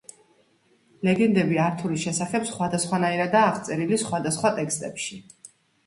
ლეგენდები ართურის შესახებ სხვადასხვანაირადაა აღწერილი სხვადასხვა ტექსტებში.